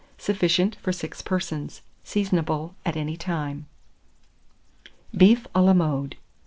Sufficient for 6 persons. Seasonable at any time. BEEF A LA MODE.